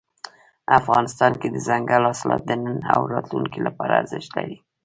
افغانستان کې دځنګل حاصلات د نن او راتلونکي لپاره ارزښت لري.